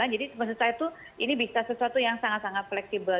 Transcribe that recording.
jadi menurut saya tuh ini bisa sesuatu yang sangat sangat fleksibel